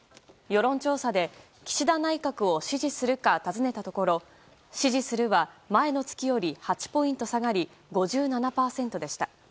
世論調査で岸田内閣を支持するか尋ねたところ支持するは前の月より８ポイント下がり５７％でした。